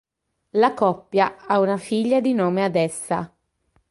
La coppia ha una figlia di nome Adessah.